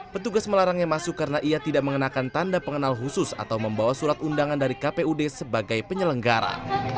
petugas melarangnya masuk karena ia tidak mengenakan tanda pengenal khusus atau membawa surat undangan dari kpud sebagai penyelenggara